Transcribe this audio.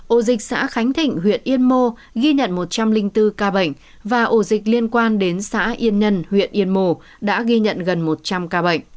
ổ dịch xã khánh thịnh huyện yên mô ghi nhận một trăm linh bốn ca bệnh và ổ dịch liên quan đến xã yên nhân huyện yên mô đã ghi nhận gần một trăm linh ca bệnh